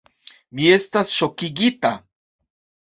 Mi estas ŝokigita!